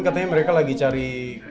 katanya mereka lagi cari